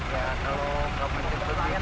ya kalau nggak buncit buncit